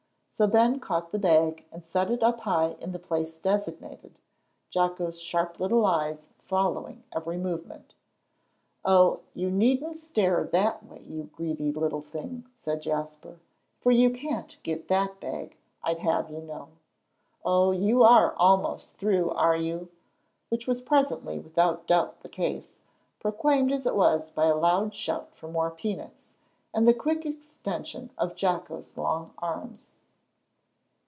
So Ben caught the bag and set it up high in the place designated, Jocko's sharp little eyes following every movement. "Oh, you needn't stare that way, you greedy little thing," said Jasper, "for you can't get that bag, I'd have you to know. Oh, you are almost through, are you?" Which was presently without doubt the case, proclaimed as it was by a loud shout for more peanuts, and the quick extension of Jocko's long arms.